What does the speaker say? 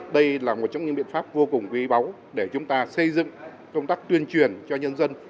đây là một trong những biện pháp vô cùng quý báu để chúng ta xây dựng công tác tuyên truyền cho nhân dân